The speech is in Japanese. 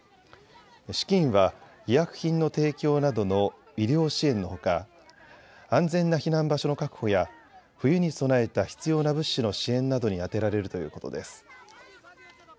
資金は医薬品の提供などの医療支援のほか安全な避難場所の確保や冬に備えた必要な物資の支援などに充てられるということです。